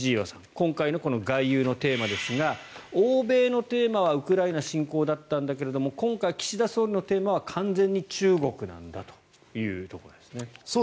今回の外遊のテーマですが欧米のテーマはウクライナ侵攻だったんだけど今回、岸田総理のテーマは完全に中国なんだということです。